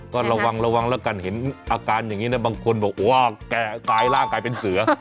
ก็ระวังระวังแล้วกันเห็นอาการอย่างนี้นะบางคนบอกว่าแกตายร่างกลายเป็นเสือ